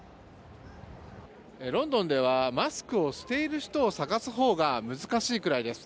ロンドンではマスクをしている人を探すほうが難しいくらいです。